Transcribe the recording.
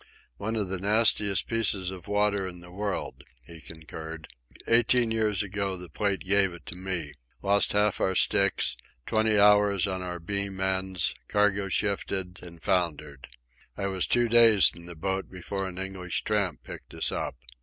"One of the nastiest pieces of water in the world," he concurred. "Eighteen years ago the Plate gave it to me—lost half our sticks, twenty hours on our beam ends, cargo shifted, and foundered. I was two days in the boat before an English tramp picked us up.